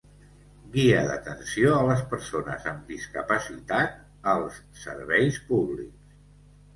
Guia d'atenció a les persones amb discapacitat als serveis públics.